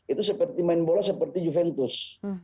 itu seperti main bola seperti juventus